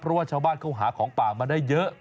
เพราะว่าชาวบ้านเขาหาของป่ามาได้เยอะ